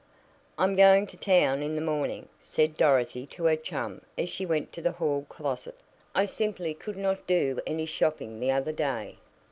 "I'm going to town in the morning," said Dorothy to her chum as she went to the hall closet. "I simply could not do any shopping the other day.